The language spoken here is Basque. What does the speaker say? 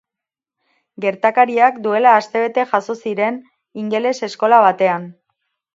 Gertakariak duela astebete jazo ziren ingeles eskola batean.